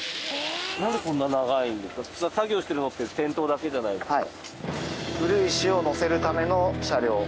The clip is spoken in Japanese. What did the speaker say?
えーっ！作業してるのって先頭だけじゃないですか？